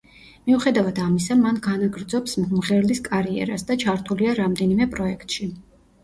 მიუხედავად ამისა, მან განაგრძობს მომღერლის კარიერას და ჩართულია რამდენიმე პროექტში.